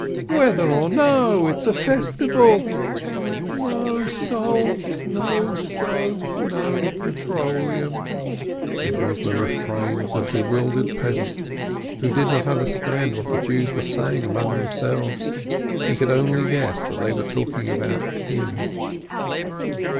"Whether or no ! It's a festival " "No salt, no soap, no petroleum —" It was the refrain of the bewildered peasant, who did not under stand what the Jews were saying among themselves. He could only guess that they were talking about him.